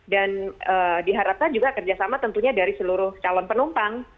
dan diharapkan juga kerjasama tentunya dari seluruh calon penumpang